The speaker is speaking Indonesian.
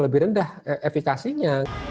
lebih rendah efikasinya